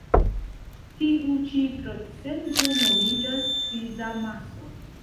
Tiu ĉi procento nomiĝas kriza maso.